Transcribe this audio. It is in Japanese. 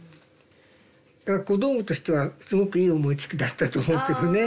だから小道具としてはすごくいい思いつきだったと思うけどね。